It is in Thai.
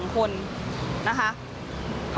ค่ะ